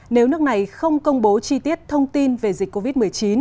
nếu nước này không công bố chi tiết thông tin về dịch covid một mươi chín